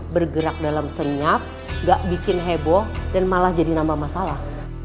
bergerak dalam senyap gak bikin heboh dan malah jadi nambah masalah